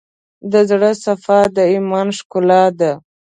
د زړه صفا، د ایمان ښکلا ده.